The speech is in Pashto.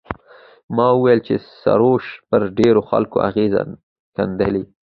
ما وویل چې سروش پر ډېرو خلکو اغېز ښندلی.